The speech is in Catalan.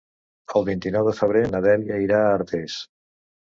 El vint-i-nou de febrer na Dèlia irà a Artés.